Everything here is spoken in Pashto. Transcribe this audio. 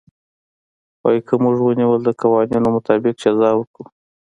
وايي که موږ ونيول د قوانينو مطابق جزا ورکوو.